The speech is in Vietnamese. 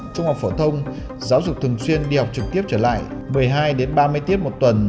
trung học phổ thông giáo dục thường xuyên đi học trực tiếp trở lại một mươi hai ba mươi tiết một tuần